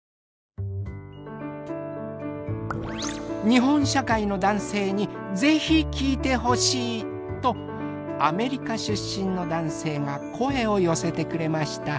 日本社会の男性に是非聞いてほしいとアメリカ出身の男性が声を寄せてくれました。